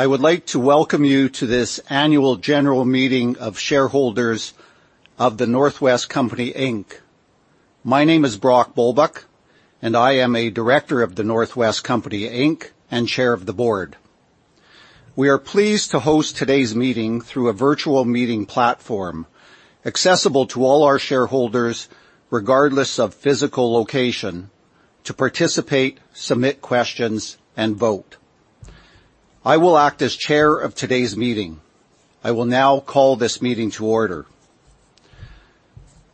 I would like to welcome you to this annual general meeting of shareholders of The North West Company Inc. My name is Brock Bulbuck, and I am a director of The North West Company Inc and chair of the board. We are pleased to host today's meeting through a virtual meeting platform accessible to all our shareholders, regardless of physical location, to participate, submit questions, and vote. I will act as chair of today's meeting. I will now call this meeting to order.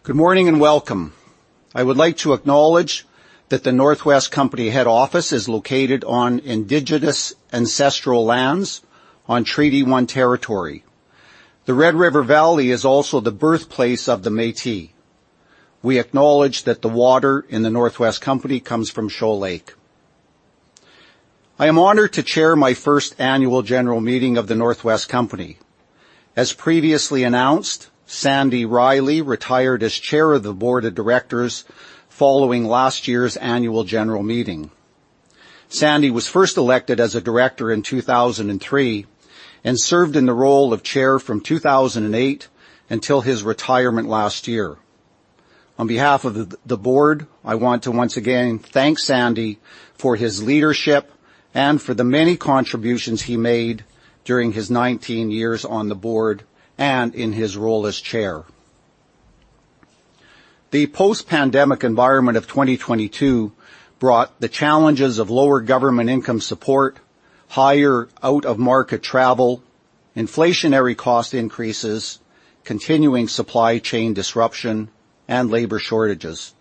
Good morning and welcome. I would like to acknowledge that The North West Company head office is located on indigenous ancestral lands on Treaty One territory. The Red River Valley is also the birthplace of the Métis. We acknowledge that the water in The North West Company comes from Shoal Lake. I am honored to chair my first annual general meeting of The North West Company. As previously announced, Sandy Riley retired as chair of the board of directors following last year's annual general meeting. Sandy was first elected as a director in 2003, and served in the role of chair from 2008 until his retirement last year. On behalf of the board, I want to once again thank Sandy for his leadership and for the many contributions he made during his 19 years on the board and in his role as chair. The post-pandemic environment of 2022 brought the challenges of lower government income support, higher out-of-market travel, inflationary cost increases, continuing supply chain disruption, and labor shortages.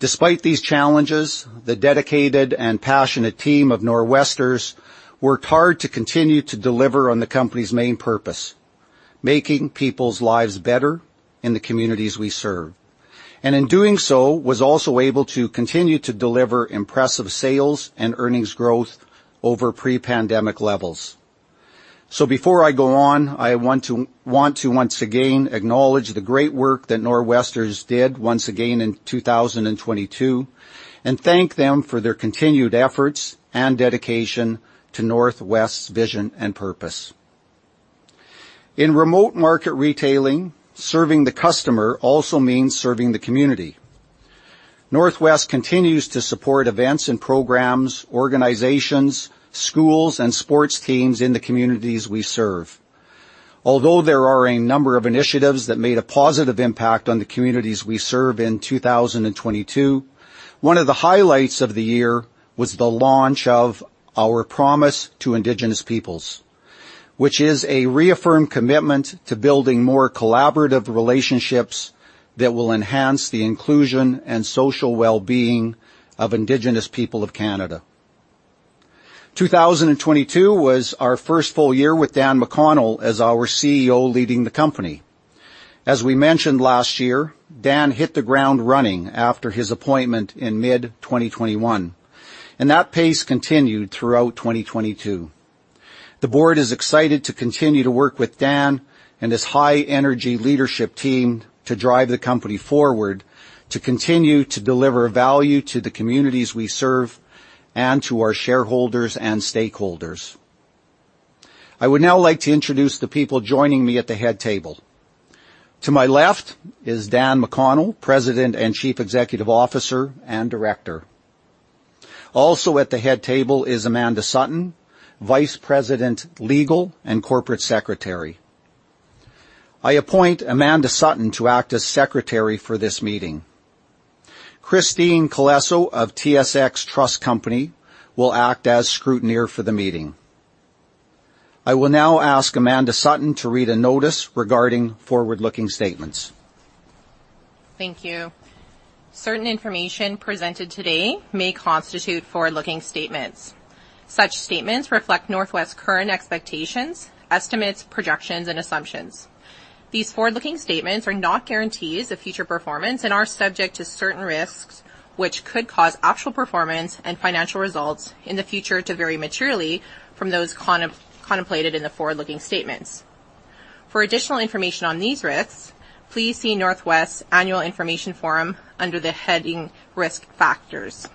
Despite these challenges, the dedicated and passionate team of North Westers worked hard to continue to deliver on the company's main purpose, making people's lives better in the communities we serve. In doing so, was also able to continue to deliver impressive sales and earnings growth over pre-pandemic levels. Before I go on, I want to once again acknowledge the great work that North Westers did once again in 2022, and thank them for their continued efforts and dedication to North West's vision and purpose. In remote market retailing, serving the customer also means serving the community. North West continues to support events and programs, organizations, schools, and sports teams in the communities we serve. Although there are a number of initiatives that made a positive impact on the communities we serve in 2022, one of the highlights of the year was the launch of our Promise to Indigenous Peoples, which is a reaffirmed commitment to building more collaborative relationships that will enhance the inclusion and social wellbeing of Indigenous people of Canada. 2022 was our first full year with Dan McConnell as our CEO leading the company. As we mentioned last year, Dan hit the ground running after his appointment in mid-2021, and that pace continued throughout 2022. The board is excited to continue to work with Dan and his high-energy leadership team to drive the company forward, to continue to deliver value to the communities we serve and to our shareholders and stakeholders. I would now like to introduce the people joining me at the head table. To my left is Dan McConnell, President and Chief Executive Officer and Director. Also at the head table is Amanda Sutton, Vice President, Legal and Corporate Secretary. I appoint Amanda Sutton to act as secretary for this meeting. Christine Colesso of TSX Trust Company will act as scrutineer for the meeting. I will now ask Amanda Sutton to read a notice regarding forward-looking statements. Thank you. Certain information presented today may constitute forward-looking statements. Such statements reflect North West's current expectations, estimates, projections, and assumptions. These forward-looking statements are not guarantees of future performance and are subject to certain risks which could cause actual performance and financial results in the future to vary materially from those contemplated in the forward-looking statements. For additional information on these risks, please see North West's annual information forum under the heading Risk Factors.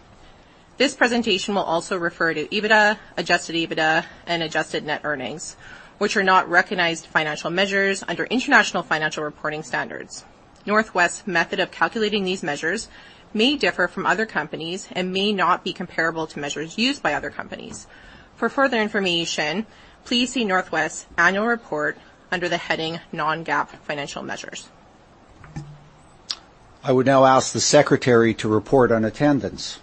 This presentation will also refer to EBITDA, adjusted EBITDA, and adjusted net earnings, which are not recognized financial measures under International Financial Reporting Standards. North West's method of calculating these measures may differ from other companies and may not be comparable to measures used by other companies. For further information, please see North West's annual report under the heading Non-GAAP Financial Measures. I would now ask the secretary to report on attendance.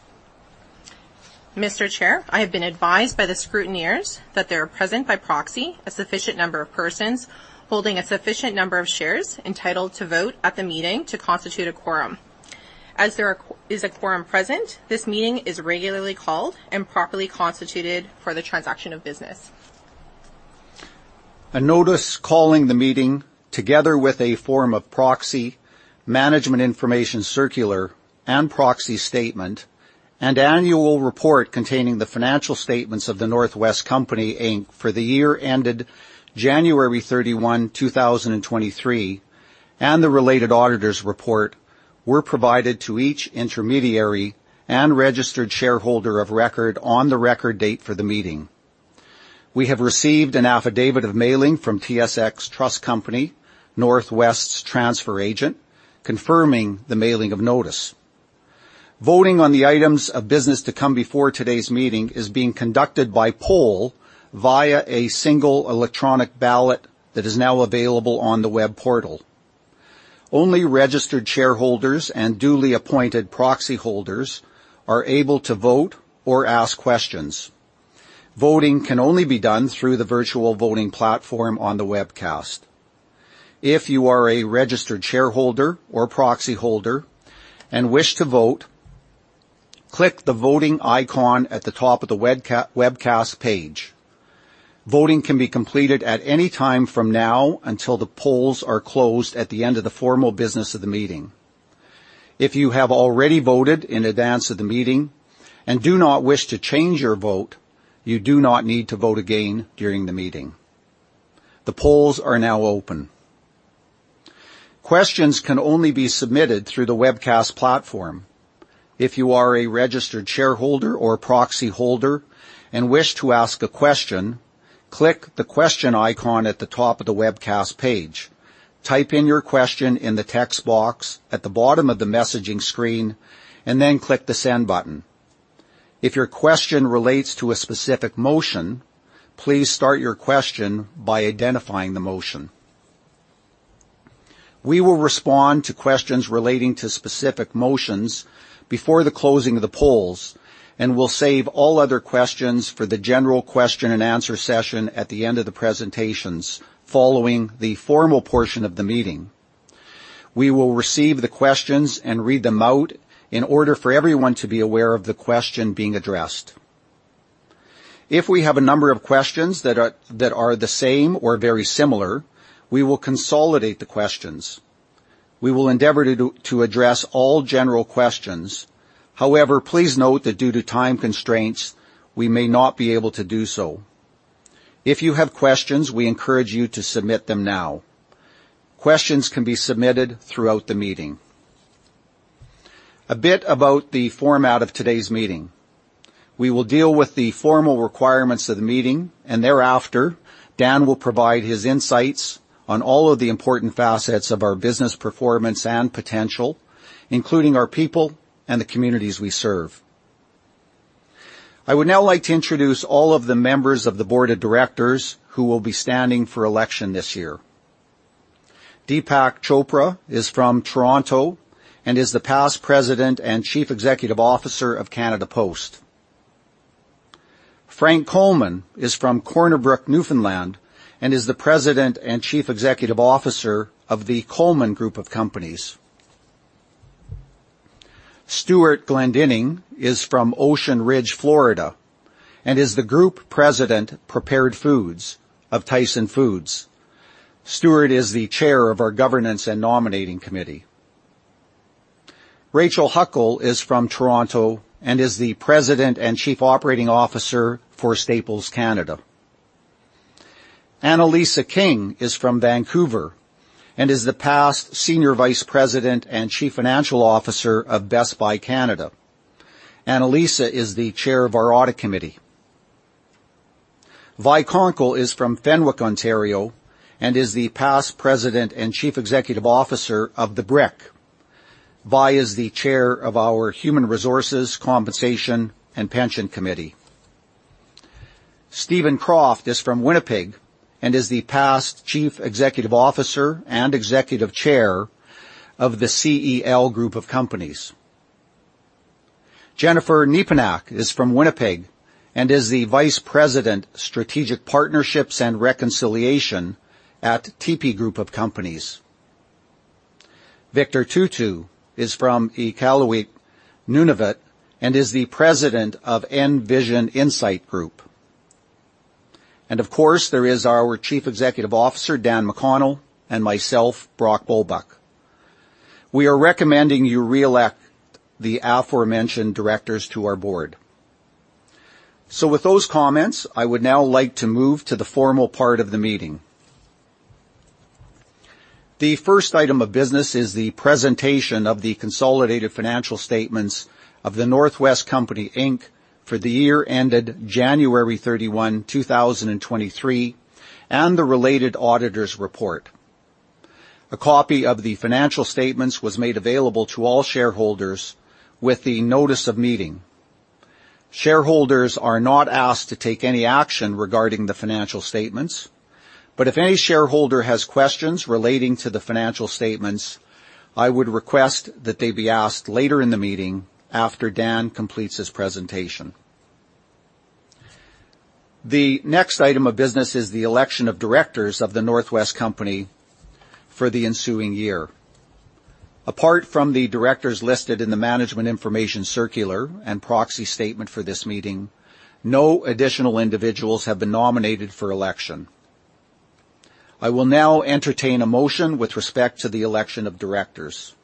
Mr. Chair, I have been advised by the scrutineers that they are present by proxy, a sufficient number of persons holding a sufficient number of shares entitled to vote at the meeting to constitute a quorum. As there is a quorum present, this meeting is regularly called and properly constituted for the transaction of business. A notice calling the meeting together with a form of proxy, management information circular, and proxy statement, and annual report containing the financial statements of The North West Company Inc for the year ended January 31, 2023, and the related auditor's report were provided to each intermediary and registered shareholder of record on the record date for the meeting. We have received an affidavit of mailing from TSX Trust Company, North West's transfer agent, confirming the mailing of notice. Voting on the items of business to come before today's meeting is being conducted by poll via a single electronic ballot that is now available on the web portal. Only registered shareholders and duly appointed proxyholders are able to vote or ask questions. Voting can only be done through the virtual voting platform on the webcast. If you are a registered shareholder or proxyholder and wish to vote, click the Voting icon at the top of the webcast page. Voting can be completed at any time from now until the polls are closed at the end of the formal business of the meeting. If you have already voted in advance of the meeting and do not wish to change your vote, you do not need to vote again during the meeting. The polls are now open. Questions can only be submitted through the webcast platform. If you are a registered shareholder or proxyholder and wish to ask a question, click the Question icon at the top of the webcast page. Type in your question in the text box at the bottom of the messaging screen, and then click the Send button. If your question relates to a specific motion, please start your question by identifying the motion. We will respond to questions relating to specific motions before the closing of the polls, we'll save all other questions for the general question-and-answer session at the end of the presentations, following the formal portion of the meeting. We will receive the questions and read them out in order for everyone to be aware of the question being addressed. If we have a number of questions that are the same or very similar, we will consolidate the questions. We will endeavor to address all general questions. Please note that due to time constraints, we may not be able to do so. If you have questions, we encourage you to submit them now. Questions can be submitted throughout the meeting. A bit about the format of today's meeting. We will deal with the formal requirements of the meeting. Thereafter, Dan will provide his insights on all of the important facets of our business performance and potential, including our people and the communities we serve. I would now like to introduce all of the members of the board of directors who will be standing for election this year. Deepak Chopra is from Toronto and is the Past President and Chief Executive Officer of Canada Post. Frank Coleman is from Corner Brook, Newfoundland, and is the President and Chief Executive Officer of the Coleman Group of Companies. Stewart Glendinning is from Ocean Ridge, Florida, and is the Group President, Prepared Foods of Tyson Foods. Stewart is the Chair of our Governance and Nominating Committee. Rachel Huckle is from Toronto and is the President and Chief Operating Officer for Staples Canada. Annalisa King is from Vancouver and is the past Senior Vice President and Chief Financial Officer of Best Buy Canada. Annalisa is the Chair of our Audit Committee. Vi Konkle is from Fenwick, Ontario, and is the past President and Chief Executive Officer of The Brick. Vi is the Chair of our Human Resources, Compensation, and Pension Committee. Stephen Kroft is from Winnipeg and is the past Chief Executive Officer and Executive Chair of the CEL Group of Companies. Jennefer Nepinak is from Winnipeg and is the Vice President, Strategic Partnerships and Reconciliation at TIPI Group of Companies. Victor Tootoo is from Iqaluit, Nunavut, and is the president of NVision Insight Group. Of course, there is our Chief Executive Officer, Dan McConnell, and myself, Brock Bulbuck. We are recommending you reelect the aforementioned directors to our board. With those comments, I would now like to move to the formal part of the meeting. The first item of business is the presentation of the consolidated financial statements of The North West Company Inc for the year ended January 31, 2023, and the related auditor's report. A copy of the financial statements was made available to all shareholders with the notice of meeting. Shareholders are not asked to take any action regarding the financial statements, but if any shareholder has questions relating to the financial statements, I would request that they be asked later in the meeting after Dan completes his presentation. The next item of business is the election of directors of The North West Company for the ensuing year. Apart from the directors listed in the management information circular and proxy statement for this meeting, no additional individuals have been nominated for election. I will now entertain a motion with respect to the election of directors.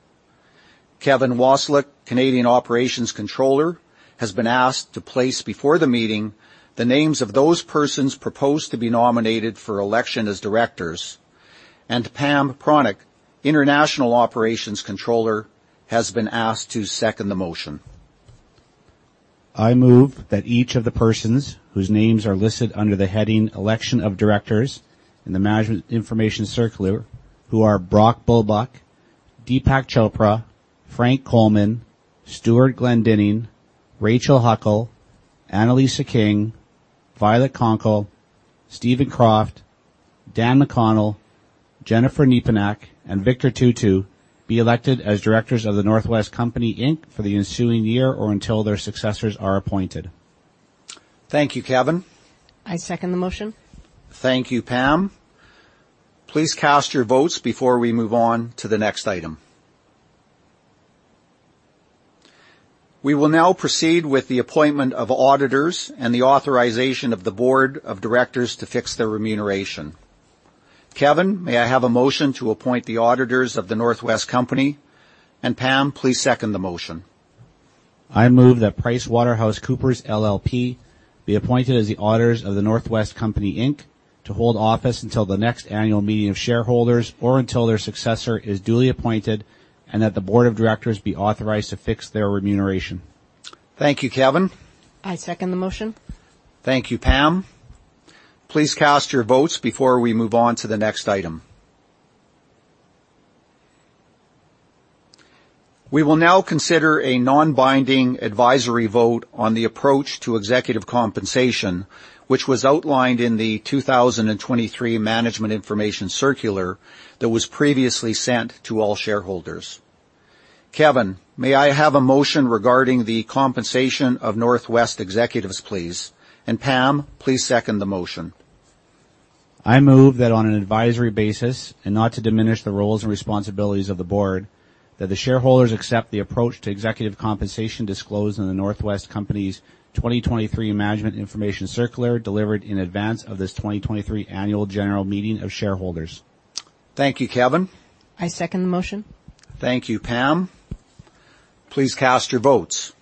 Kevin Wasiluk, Canadian operations controller, has been asked to place before the meeting the names of those persons proposed to be nominated for election as directors, and Pam Pronic, international operations controller, has been asked to second the motion. I move that each of the persons whose names are listed under the heading Election of Directors in the Management Information Circular, who are Brock Bulbuck, Deepak Chopra, Frank Coleman, Stewart Glendinning, Rachel Huckle, Annalisa King, Violet Konkle, Stephen Kroft, Dan McConnell, Jennefer Nepinak, and Victor Tootoo be elected as directors of The North West Company Inc for the ensuing year or until their successors are appointed. Thank you, Kevin. I second the motion. Thank you, Pam. Please cast your votes before we move on to the next item. We will now proceed with the appointment of auditors and the authorization of the board of directors to fix their remuneration. Kevin, may I have a motion to appoint the auditors of The North West Company? Pam, please second the motion. I move that PricewaterhouseCoopers LLP be appointed as the auditors of The North West Company Inc.to hold office until the next annual meeting of shareholders, or until their successor is duly appointed, and that the board of directors be authorized to fix their remuneration. Thank you, Kevin. I second the motion. Thank you, Pam. Please cast your votes before we move on to the next item. We will now consider a non-binding advisory vote on the approach to executive compensation, which was outlined in the 2023 Management Information Circular that was previously sent to all shareholders. Kevin, may I have a motion regarding the compensation of North West executives, please? Pam, please second the motion. I move that on an advisory basis and not to diminish the roles and responsibilities of the board, that the shareholders accept the approach to executive compensation disclosed in The North West Company's 2023 Management Information Circular delivered in advance of this 2023 annual general meeting of shareholders. Thank you, Kevin. I second the motion. Thank you, Pam. Please cast your votes.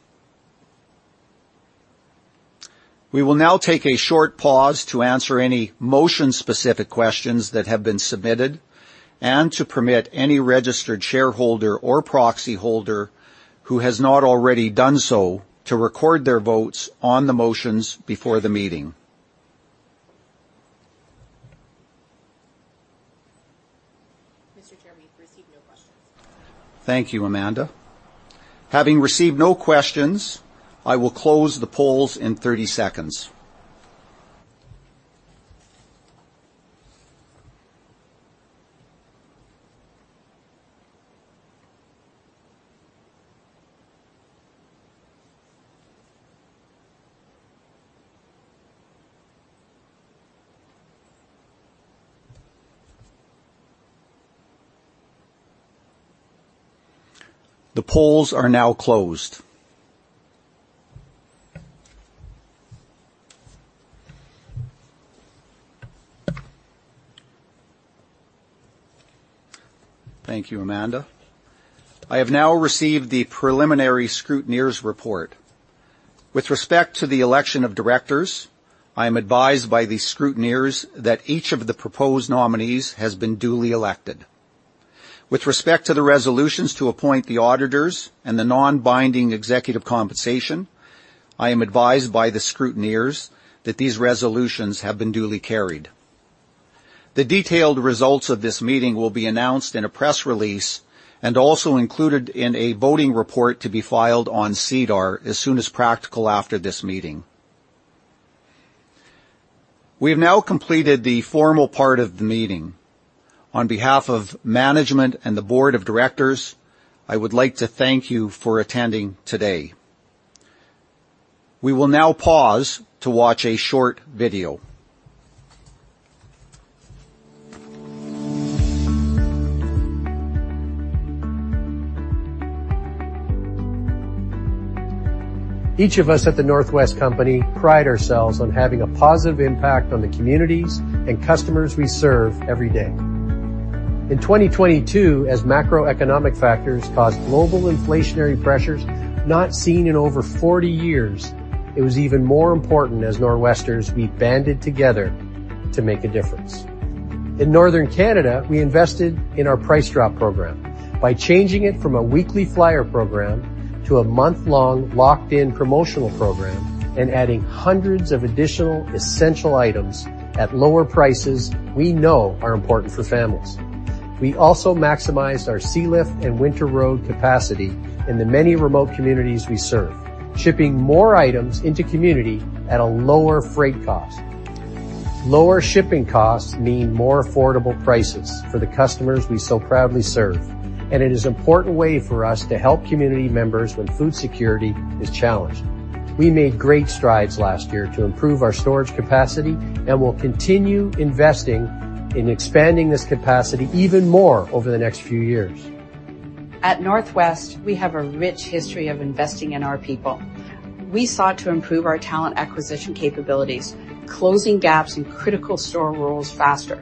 We will now take a short pause to answer any motion-specific questions that have been submitted and to permit any registered shareholder or proxy holder who has not already done so to record their votes on the motions before the meeting. Mr. Chairman, we've received no questions. Thank you, Amanda. Having received no questions, I will close the polls in 30 seconds. The polls are now closed. Thank you, Amanda. I have now received the preliminary scrutineers report. With respect to the election of directors, I am advised by the scrutineers that each of the proposed nominees has been duly elected. With respect to the resolutions to appoint the auditors and the non-binding executive compensation, I am advised by the scrutineers that these resolutions have been duly carried. The detailed results of this meeting will be announced in a press release and also included in a voting report to be filed on SEDAR as soon as practical after this meeting. We have now completed the formal part of the meeting. On behalf of management and the board of directors, I would like to thank you for attending today. We will now pause to watch a short video. Each of us at The North West Company pride ourselves on having a positive impact on the communities and customers we serve every day. In 2022, as macroeconomic factors caused global inflationary pressures not seen in over 40 years, it was even more important as North Westerners we banded together to make a difference. In Northern Canada, we invested in our Price Drop program. By changing it from a weekly flyer program to a month-long locked-in promotional program and adding hundreds of additional essential items at lower prices we know are important for families. We also maximized our Sealift and winter road capacity in the many remote communities we serve, shipping more items into community at a lower freight cost. Lower shipping costs mean more affordable prices for the customers we so proudly serve. It is an important way for us to help community members when food security is challenged. We made great strides last year to improve our storage capacity. We'll continue investing in expanding this capacity even more over the next few years. At North West, we have a rich history of investing in our people. We sought to improve our talent acquisition capabilities, closing gaps in critical store roles faster.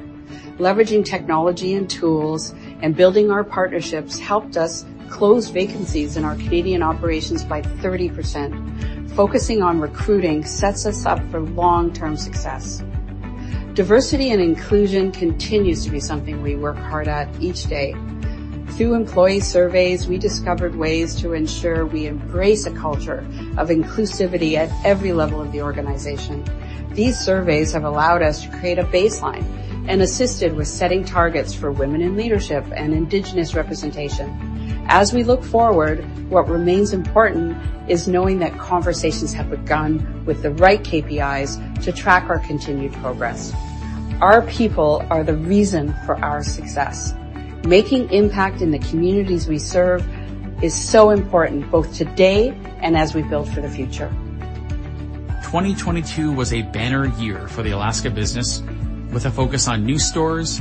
Leveraging technology and tools and building our partnerships helped us close vacancies in our Canadian operations by 30%. Focusing on recruiting sets us up for long-term success. Diversity and Inclusion continues to be something we work hard at each day. Through employee surveys, we discovered ways to ensure we embrace a culture of inclusivity at every level of the organization. These surveys have allowed us to create a baseline and assisted with setting targets for women in leadership and Indigenous representation. As we look forward, what remains important is knowing that conversations have begun with the right KPIs to track our continued progress. Our people are the reason for our success. Making impact in the communities we serve is so important, both today and as we build for the future. 2022 was a banner year for the Alaska business, with a focus on new stores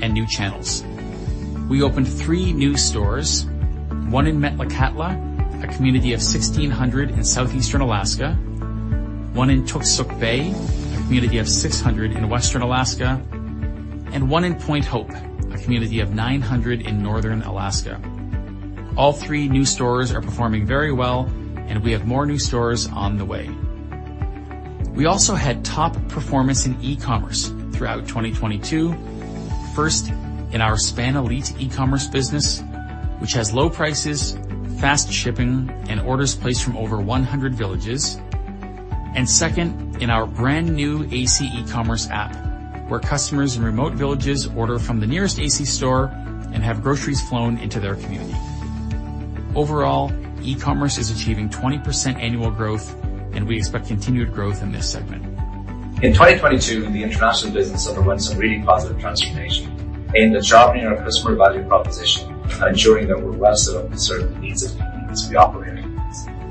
and new channels. We opened three new stores, one in Metlakatla, a community of 1,600 in southeastern Alaska, one in Toksook Bay, a community of 600 in western Alaska, and one in Point Hope, a community of 900 in northern Alaska. All three new stores are performing very well, and we have more new stores on the way. We also had top performance in e-commerce throughout 2022. First, in our Span Elite e-commerce business, which has low prices, fast shipping, and orders placed from over 100 villages. Second, in our brand new AC e-commerce app, where customers in remote villages order from the nearest AC store and have groceries flown into their community. Overall, e-commerce is achieving 20% annual growth. We expect continued growth in this segment. In 2022, the international business underwent some really positive transformation, aimed at sharpening our customer value proposition and ensuring that we're well set up to serve the needs of communities we operate in.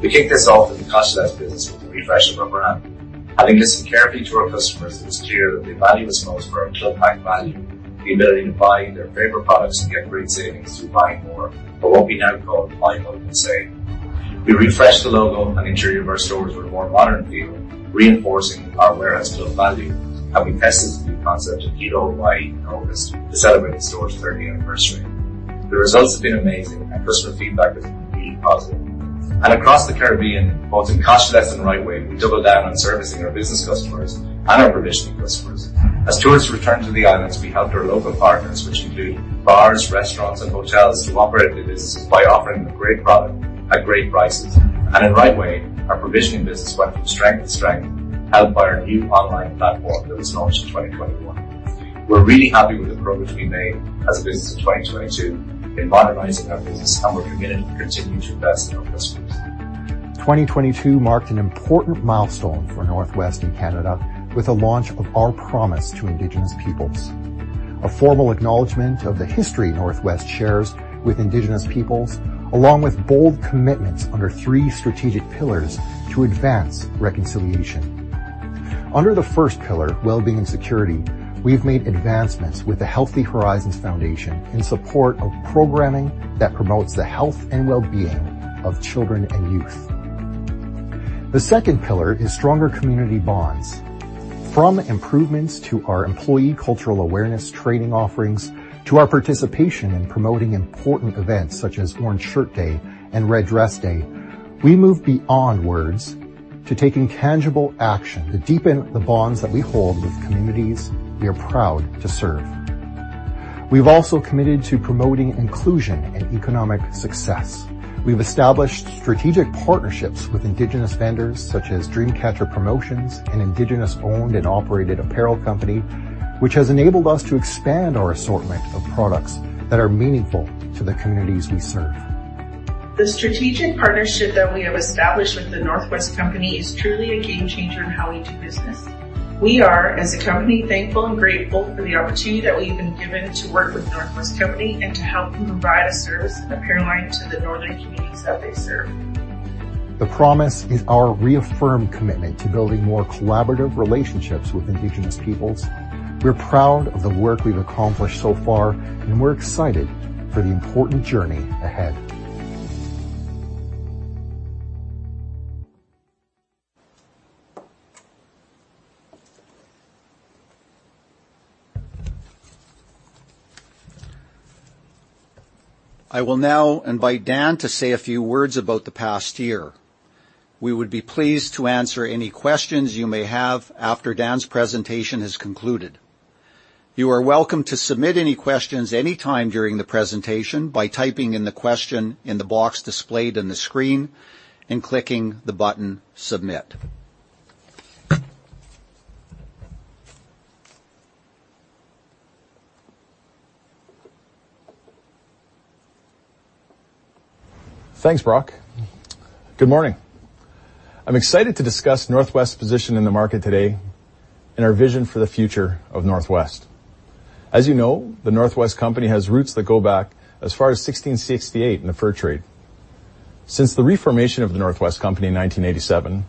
We kicked this off in the Cost-U-Less business with a refresh of our brand. Having listened carefully to our customers, it was clear that they value us most for our club pack value, the ability to buy their favorite products and get great savings through buying more for what we now call, "Buy More and Save." We refreshed the logo and interior of our stores with a more modern feel, reinforcing our awareness of value. We tested the new concept in Hilo, Hawaii in August to celebrate the store's 30th anniversary. The results have been amazing, and customer feedback has been really positive. Across the Caribbean, both in Cost-U-Less and RiteWay, we doubled down on servicing our business customers and our provisioning customers. As tourists returned to the islands, we helped our local partners, which include bars, restaurants, and hotels, to operate their businesses by offering them great product at great prices. In RiteWay, our provisioning business went from strength to strength, helped by our new online platform that was launched in 2021. We're really happy with the progress we made as a business in 2022 in modernizing our business, and we're committed to continuing to invest in our customers. 2022 marked an important milestone for Northwest in Canada with the launch of our Promise to Indigenous Peoples, a formal acknowledgment of the history Northwest shares with Indigenous peoples, along with bold commitments under three strategic pillars to advance reconciliation. Under the first pillar, wellbeing security, we've made advancements with the Healthy Horizons Foundation in support of programming that promotes the health and wellbeing of children and youth. The second pillar is stronger community bonds. From improvements to our employee cultural awareness training offerings to our participation in promoting important events such as Orange Shirt Day and Red Dress Day, we move beyond words to taking tangible action to deepen the bonds that we hold with communities we are proud to serve. We've also committed to promoting inclusion and economic success. We've established strategic partnerships with Indigenous vendors such as Dreamcatcher Promotions, an Indigenous-owned and operated apparel company, which has enabled us to expand our assortment of products that are meaningful to the communities we serve. The strategic partnership that we have established with The North West Company is truly a game changer in how we do business. We are, as a company, thankful and grateful for the opportunity that we've been given to work with The North West Company and to help them provide a service and apparel line to the northern communities that they serve. The Promise is our reaffirmed commitment to building more collaborative relationships with Indigenous peoples. We're proud of the work we've accomplished so far. We're excited for the important journey ahead. I will now invite Dan to say a few words about the past year. We would be pleased to answer any questions you may have after Dan's presentation has concluded. You are welcome to submit any questions any time during the presentation by typing in the question in the box displayed on the screen and clicking the button Submit. Thanks, Brock. Good morning. I'm excited to discuss Northwest's position in the market today and our vision for the future of Northwest. As you know, The North West Company has roots that go back as far as 1668 in the fur trade. Since the reformation of The North West Company in 1987,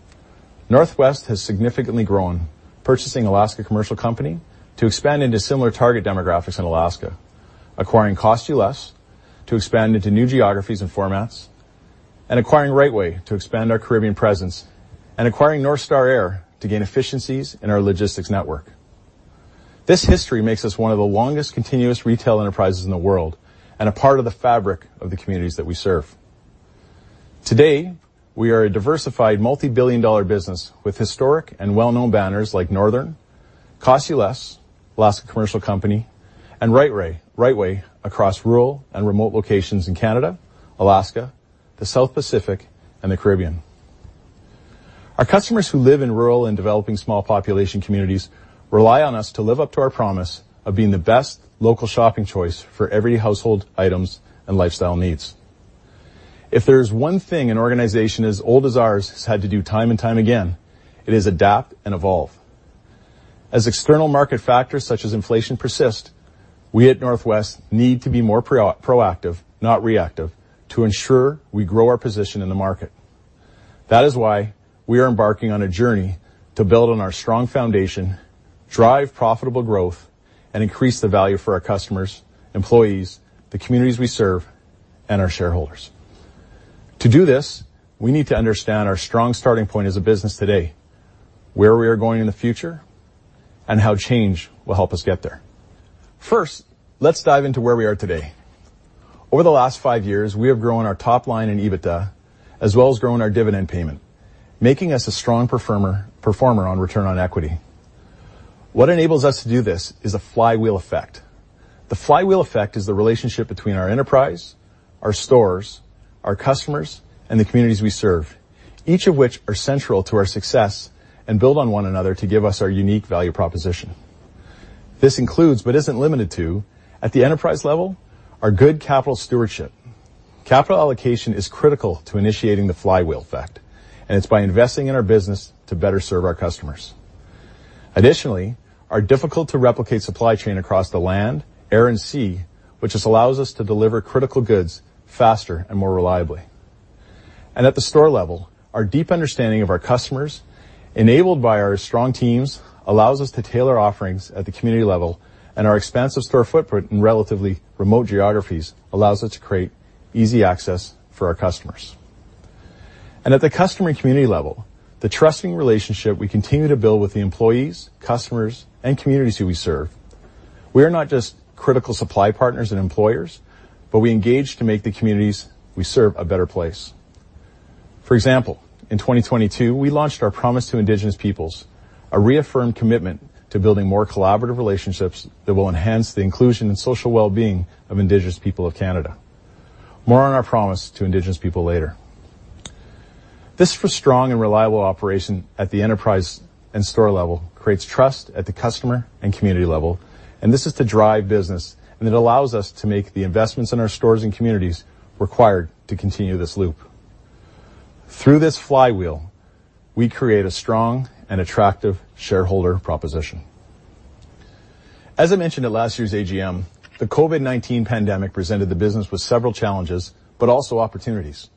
Northwest has significantly grown, purchasing Alaska Commercial Company to expand into similar target demographics in Alaska, acquiring Cost-U-Less to expand into new geographies and formats, and acquiring RiteWay to expand our Caribbean presence, and acquiring North Star Air to gain efficiencies in our logistics network. This history makes us one of the longest continuous retail enterprises in the world and a part of the fabric of the communities that we serve. Today, we are a diversified multi-billion-dollar business with historic and well-known banners like Northern, Cost-U-Less, Alaska Commercial Company, and RiteWay Food Markets across rural and remote locations in Canada, Alaska, the South Pacific, and the Caribbean. Our customers who live in rural and developing small population communities rely on us to live up to our promise of being the best local shopping choice for every household items and lifestyle needs. If there's one thing an organization as old as ours has had to do time and time again, it is adapt and evolve. As external market factors such as inflation persist, we at The North West Company need to be more proactive, not reactive, to ensure we grow our position in the market. That is why we are embarking on a journey to build on our strong foundation, drive profitable growth, and increase the value for our customers, employees, the communities we serve, and our shareholders. To do this, we need to understand our strong starting point as a business today, where we are going in the future, and how change will help us get there. First, let's dive into where we are today. Over the last five years, we have grown our top line in EBITDA, as well as grown our dividend payment, making us a strong performer on return on equity. What enables us to do this is a flywheel effect. The flywheel effect is the relationship between our enterprise, our stores, our customers, and the communities we serve, each of which are central to our success and build on one another to give us our unique value proposition. This includes, but isn't limited to, at the enterprise level, our good capital stewardship. Capital allocation is critical to initiating the flywheel effect. It's by investing in our business to better serve our customers. Additionally, our difficult-to-replicate supply chain across the land, air, and sea, which just allows us to deliver critical goods faster and more reliably. At the store level, our deep understanding of our customers, enabled by our strong teams, allows us to tailor offerings at the community level, and our expansive store footprint in relatively remote geographies allows us to create easy access for our customers. At the customer and community level, the trusting relationship we continue to build with the employees, customers, and communities who we serve. We are not just critical supply partners and employers, but we engage to make the communities we serve a better place. For example, in 2022, we launched our Promise to Indigenous Peoples, a reaffirmed commitment to building more collaborative relationships that will enhance the inclusion and social well-being of Indigenous peoples of Canada. More on our Promise to Indigenous Peoples later. This for strong and reliable operation at the enterprise and store level creates trust at the customer and community level. This is to drive business. It allows us to make the investments in our stores and communities required to continue this loop. Through this flywheel, we create a strong and attractive shareholder proposition. As I mentioned at last year's AGM, the COVID-19 pandemic presented the business with several challenges but also opportunities.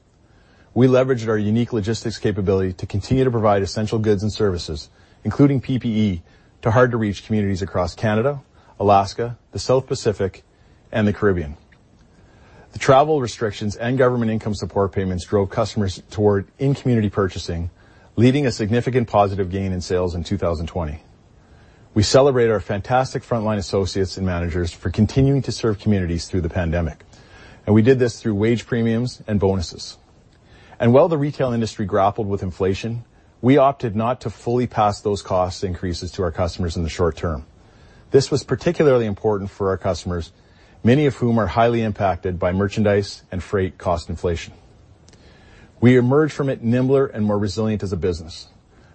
We leveraged our unique logistics capability to continue to provide essential goods and services, including PPE, to hard-to-reach communities across Canada, Alaska, the South Pacific, and the Caribbean. The travel restrictions and government income support payments drove customers toward in-community purchasing, leading a significant positive gain in sales in 2020. We celebrate our fantastic frontline associates and managers for continuing to serve communities through the pandemic. We did this through wage premiums and bonuses. While the retail industry grappled with inflation, we opted not to fully pass those cost increases to our customers in the short term. This was particularly important for our customers, many of whom are highly impacted by merchandise and freight cost inflation. We emerged from it nimbler and more resilient as a business.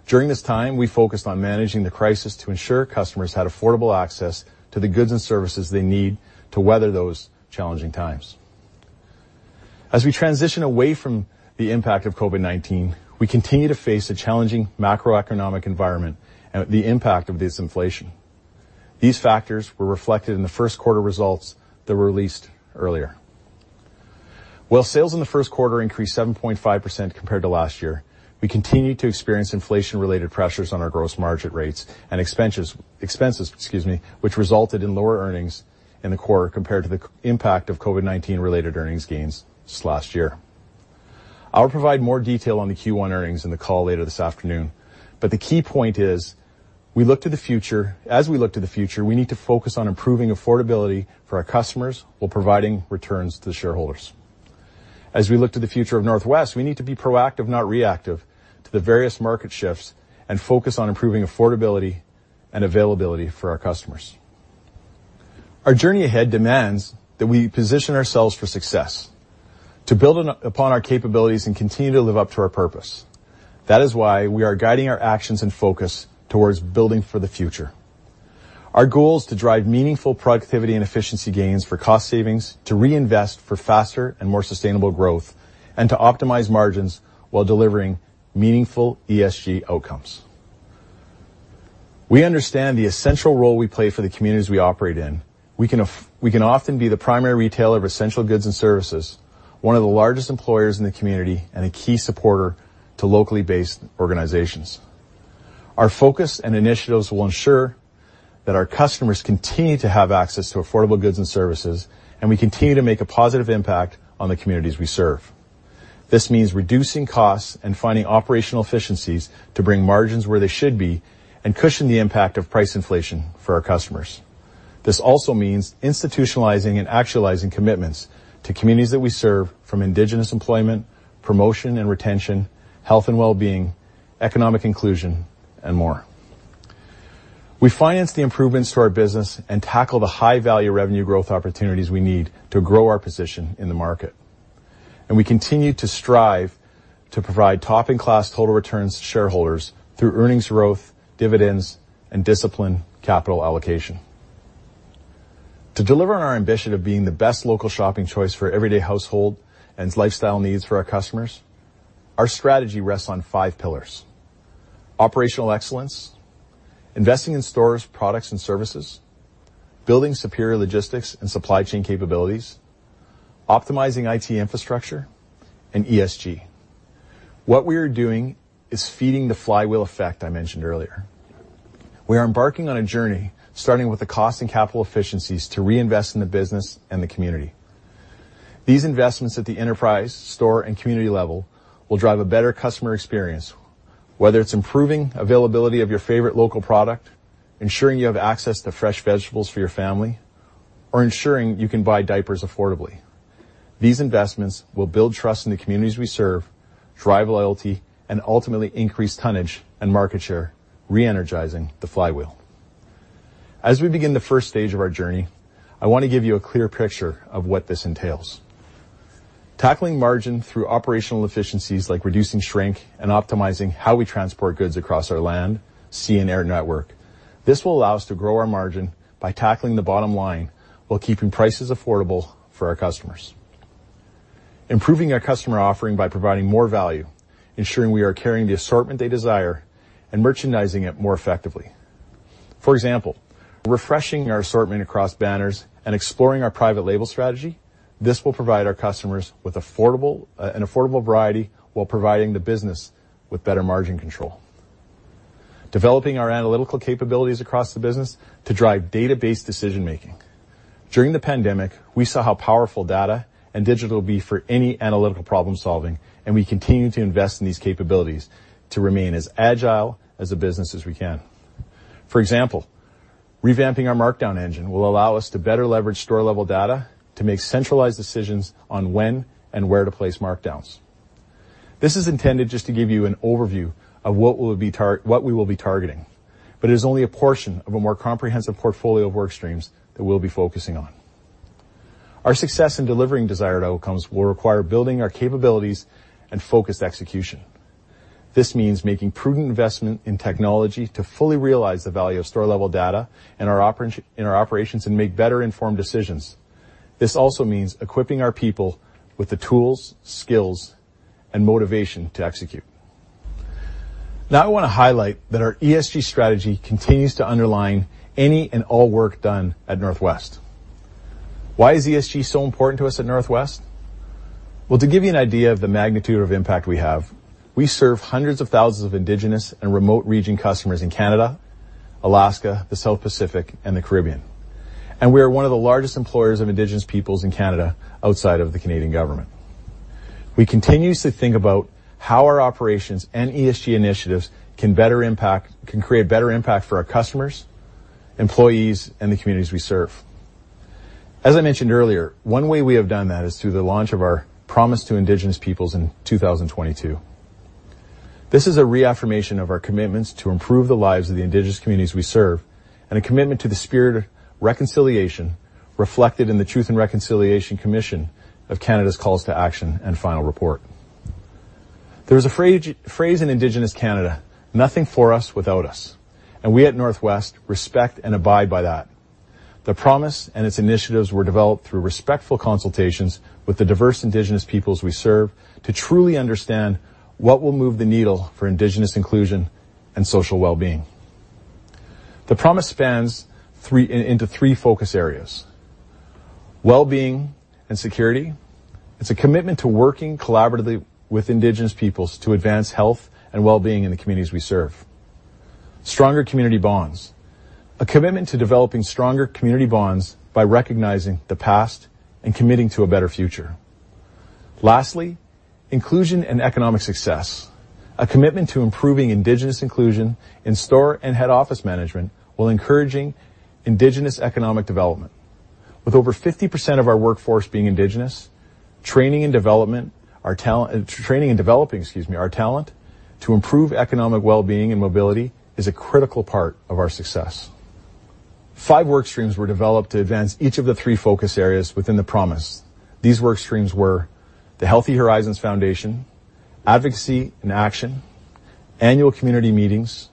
During this time, we focused on managing the crisis to ensure customers had affordable access to the goods and services they need to weather those challenging times. As we transition away from the impact of COVID-19, we continue to face a challenging macroeconomic environment and the impact of this inflation. These factors were reflected in the first quarter results that were released earlier. While sales in the first quarter increased 7.5% compared to last year, we continued to experience inflation-related pressures on our gross margin rates and expenses, which resulted in lower earnings in the quarter compared to the impact of COVID-19-related earnings gains just last year. I'll provide more detail on the Q1 earnings in the call later this afternoon. The key point is we look to the future. As we look to the future, we need to focus on improving affordability for our customers while providing returns to the shareholders. As we look to the future of North West, we need to be proactive, not reactive, to the various market shifts and focus on improving affordability and availability for our customers. Our journey ahead demands that we position ourselves for success, to build upon our capabilities and continue to live up to our purpose. That is why we are guiding our actions and focus towards building for the future. Our goal is to drive meaningful productivity and efficiency gains for cost savings, to reinvest for faster and more sustainable growth, and to optimize margins while delivering meaningful ESG outcomes. We understand the essential role we play for the communities we operate in. We can often be the primary retailer of essential goods and services, one of the largest employers in the community, and a key supporter to locally based organizations. Our focus and initiatives will ensure that our customers continue to have access to affordable goods and services, and we continue to make a positive impact on the communities we serve. This means reducing costs and finding operational efficiencies to bring margins where they should be and cushion the impact of price inflation for our customers. This also means institutionalizing and actualizing commitments to communities that we serve from Indigenous employment, promotion and retention, health and well-being, economic inclusion and more. We finance the improvements to our business and tackle the high-value revenue growth opportunities we need to grow our position in the market. We continue to strive to provide top-in-class total returns to shareholders through earnings growth, dividends and disciplined capital allocation. To deliver on our ambition of being the best local shopping choice for everyday household and lifestyle needs for our customers, our strategy rests on 5 pillars: operational excellence, investing in stores, products and services, building superior logistics and supply chain capabilities, optimizing IT infrastructure, and ESG. What we are doing is feeding the flywheel effect I mentioned earlier. We are embarking on a journey starting with the cost and capital efficiencies to reinvest in the business and the community. These investments at the enterprise, store, and community level will drive a better customer experience, whether it's improving availability of your favorite local product, ensuring you have access to fresh vegetables for your family, or ensuring you can buy diapers affordably. These investments will build trust in the communities we serve, drive loyalty, and ultimately increase tonnage and market share, re-energizing the flywheel. As we begin the first stage of our journey, I want to give you a clear picture of what this entails. Tackling margin through operational efficiencies like reducing shrink and optimizing how we transport goods across our land, sea, and air network. This will allow us to grow our margin by tackling the bottom line while keeping prices affordable for our customers. Improving our customer offering by providing more value, ensuring we are carrying the assortment they desire, and merchandising it more effectively. For example, refreshing our assortment across banners and exploring our private label strategy. This will provide our customers with affordable, an affordable variety while providing the business with better margin control. Developing our analytical capabilities across the business to drive data-based decision-making. During the pandemic, we saw how powerful data and digital will be for any analytical problem-solving, and we continue to invest in these capabilities to remain as agile as a business as we can. For example, revamping our markdown engine will allow us to better leverage store-level data to make centralized decisions on when and where to place markdowns. This is intended just to give you an overview of what we will be targeting, but it is only a portion of a more comprehensive portfolio of work streams that we'll be focusing on. Our success in delivering desired outcomes will require building our capabilities and focused execution. This means making prudent investment in technology to fully realize the value of store-level data in our operations and make better informed decisions. This also means equipping our people with the tools, skills, and motivation to execute. I want to highlight that our ESG strategy continues to underline any and all work done at Northwest. Why is ESG so important to us at Northwest? Well, to give you an idea of the magnitude of impact we have, we serve hundreds of thousands of Indigenous and remote region customers in Canada, Alaska, the South Pacific, and the Caribbean, and we are one of the largest employers of Indigenous peoples in Canada outside of the Canadian government. We continuously think about how our operations and ESG initiatives can create better impact for our customers, employees, and the communities we serve. As I mentioned earlier, one way we have done that is through the launch of our Promise to Indigenous Peoples in 2022. This is a reaffirmation of our commitments to improve the lives of the Indigenous communities we serve and a commitment to the spirit of reconciliation reflected in the Truth and Reconciliation Commission of Canada's calls to action and final report. There is a phrase in Indigenous Canada, "Nothing for us without us," and we at The North West respect and abide by that. The Promise and its initiatives were developed through respectful consultations with the diverse Indigenous peoples we serve to truly understand what will move the needle for Indigenous inclusion and social wellbeing. The Promise spans into three focus areas. Wellbeing and Security. It's a commitment to working collaboratively with Indigenous peoples to advance health and wellbeing in the communities we serve. Stronger Community Bonds. A commitment to developing stronger community bonds by recognizing the past and committing to a better future. Lastly, Inclusion and Economic Success. A commitment to improving Indigenous inclusion in store and head office management while encouraging Indigenous economic development. With over 50% of our workforce being Indigenous, training and developing, excuse me, our talent to improve economic wellbeing and mobility is a critical part of our success. Five work streams were developed to advance each of the three focus areas within The Promise. These work streams were the Healthy Horizons Foundation, Advocacy in Action, Annual Community Meetings,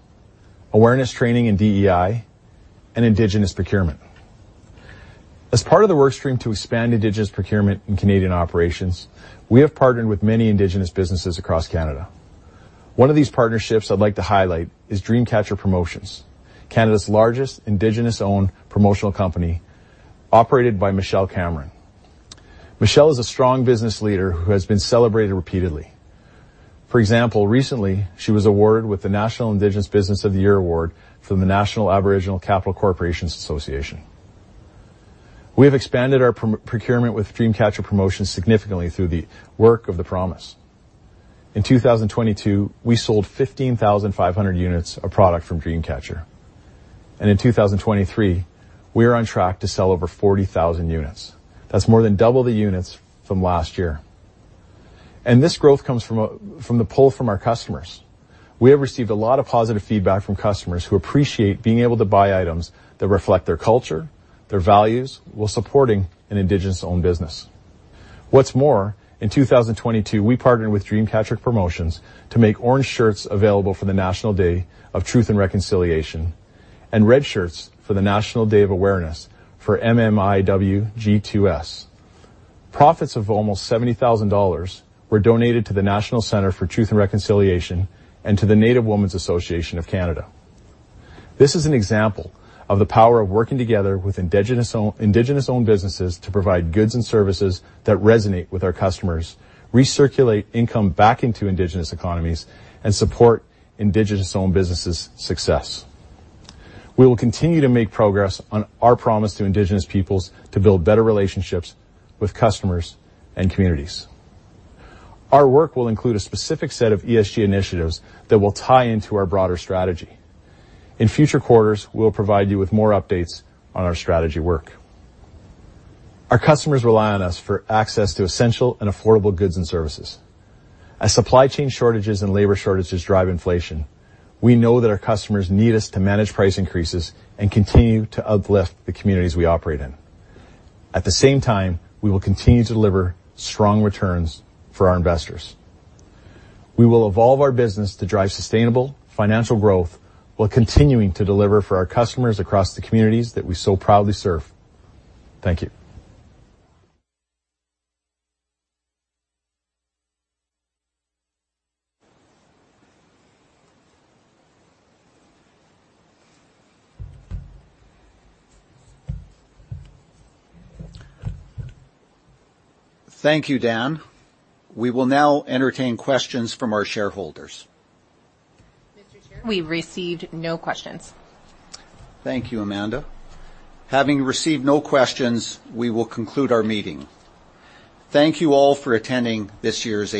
Awareness Training and DEI, and Indigenous Procurement. As part of the work stream to expand Indigenous Procurement in Canadian operations, we have partnered with many Indigenous businesses across Canada. One of these partnerships I'd like to highlight is Dreamcatcher Promotions, Canada's largest Indigenous-owned promotional company operated by Michelle Cameron. Michelle is a strong business leader who has been celebrated repeatedly. For example, recently, she was awarded with the National Indigenous Business of the Year Award from the National Aboriginal Capital Corporations Association. We have expanded our pro-procurement with Dreamcatcher Promotions significantly through the work of the Promise. In 2022, we sold 15,500 units of product from Dreamcatcher. In 2023, we are on track to sell over 40,000 units. That's more than double the units from last year. This growth comes from the poll from our customers. We have received a lot of positive feedback from customers who appreciate being able to buy items that reflect their culture, their values, while supporting an Indigenous-owned business. In 2022, we partnered with Dreamcatcher Promotions to make orange shirts available for the National Day for Truth and Reconciliation, and red shirts for the National Day of Awareness for MMIWG2S. Profits of almost 70,000 dollars were donated to the National Centre for Truth and Reconciliation and to the Native Women's Association of Canada. This is an example of the power of working together with indigenous-owned businesses to provide goods and services that resonate with our customers, recirculate income back into indigenous economies, and support indigenous-owned businesses' success. We will continue to make progress on our Promise to Indigenous Peoples to build better relationships with customers and communities. Our work will include a specific set of ESG initiatives that will tie into our broader strategy. In future quarters, we'll provide you with more updates on our strategy work. Our customers rely on us for access to essential and affordable goods and services. As supply chain shortages and labor shortages drive inflation, we know that our customers need us to manage price increases and continue to uplift the communities we operate in. At the same time, we will continue to deliver strong returns for our investors. We will evolve our business to drive sustainable financial growth while continuing to deliver for our customers across the communities that we so proudly serve. Thank you. Thank you, Dan. We will now entertain questions from our shareholders. Mr. Chair, we received no questions. Thank you, Amanda. Having received no questions, we will conclude our meeting. Thank you all for attending this year's AGM.